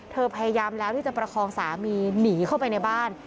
พยายามแล้วที่จะประคองสามีหนีเข้าไปในบ้าน